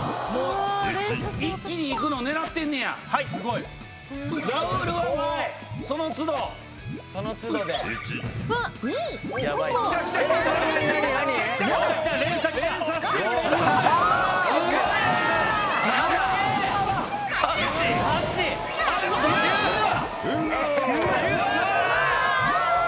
うわ！